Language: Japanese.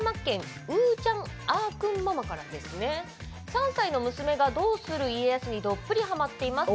３歳の娘が「どうする家康」にどっぷりハマっています。